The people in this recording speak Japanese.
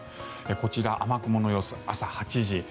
こちら、雨雲の様子朝８時。